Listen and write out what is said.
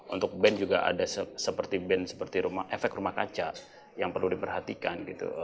untuk band juga ada seperti efek rumah kaca yang perlu diperhatikan gitu